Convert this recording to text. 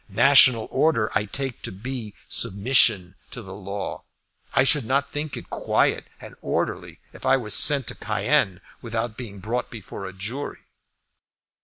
National order I take to be submission to the law. I should not think it quiet and orderly if I were sent to Cayenne without being brought before a jury."